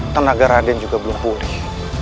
tenaga raden juga belum pulih